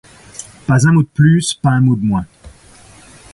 Pas un mot de plus, pas un mot de moins.